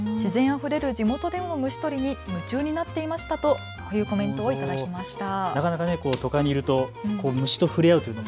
自然あふれる地元での虫とりに夢中になっていましたというコメント頂きました。